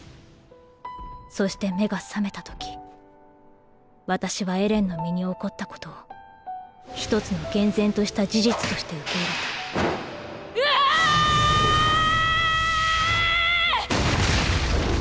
そして目が覚めた時私はエレンの身に起こったことを一つの厳然とした事実として受け入れたうわあぁぁぁぁっ！！